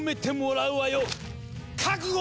覚悟